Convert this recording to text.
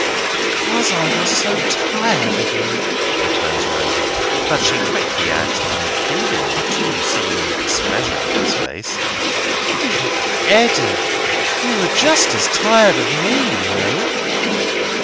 "Because I was so tired of you," returns Rosa. But she quickly adds, and pleadingly too, seeing displeasure in his face: "Dear Eddy, you were just as tired of me, you know."